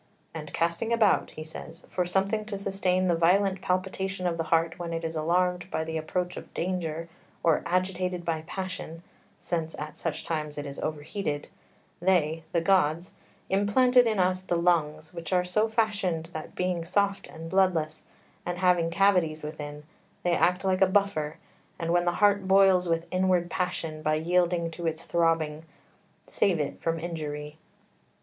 "And casting about," he says, "for something to sustain the violent palpitation of the heart when it is alarmed by the approach of danger or agitated by passion, since at such times it is overheated, they (the gods) implanted in us the lungs, which are so fashioned that being soft and bloodless, and having cavities within, they act like a buffer, and when the heart boils with inward passion by yielding to its throbbing save it from injury."